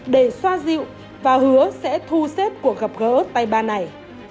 để xoa dịu và hứa sẽ thu xếp cuộc gặp gỡ tay ba này